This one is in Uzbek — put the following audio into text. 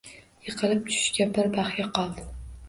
Yiqilib tushishiga bir bahya qoldi.